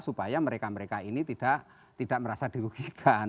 supaya mereka mereka ini tidak merasa dirugikan